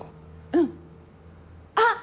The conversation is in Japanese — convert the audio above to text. うん。あっ！